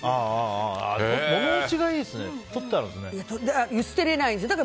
物持ちがいいですね。